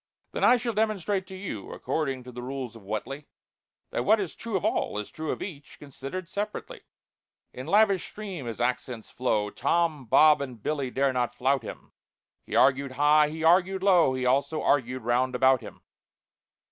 "Then I shall demonstrate to you, According to the rules of WHATELY, That what is true of all, is true Of each, considered separately." In lavish stream his accents flow, TOM, BOB, and BILLY dare not flout him; He argued high, he argued low, He also argued round about him.